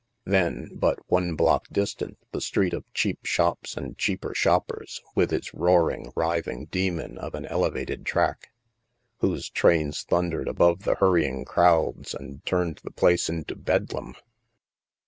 Then, but one block distant, the street of cheap shops and cheaper shoppers, with its roar ing writhing demon of an elevated track, whose 134 THE MASK trains thundered above the hurrying crowds and turned the place into bedlam.